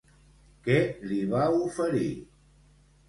Què li va oferir?